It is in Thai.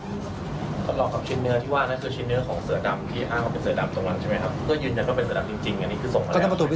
ต้อนรอกครับชิ้นเนื้อที่ว่านั่นคือชิ้นเนื้อของเสือดำ